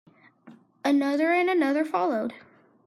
Another and another followed.